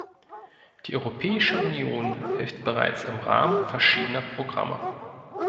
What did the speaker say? Die Europäische Union hilft bereits im Rahmen verschiedener Programme.